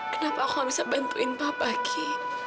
kenapa aku bisa bantuin papa ki